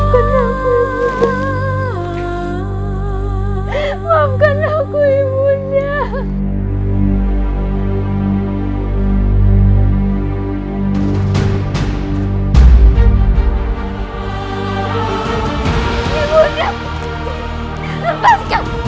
untuk memastikan keaman ini sudah keras